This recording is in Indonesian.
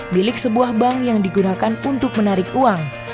milik sebuah bank yang digunakan untuk menarik uang